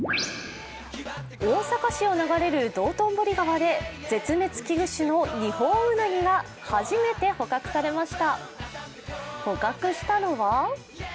大阪市を流れる道頓堀川で絶滅危惧種のニホンウナギが初めて捕獲されました。